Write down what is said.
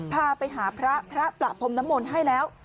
พาไปหาพระพระประพรมน้ำมนต์ให้แล้ว